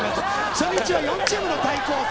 初日は４チームの対抗戦。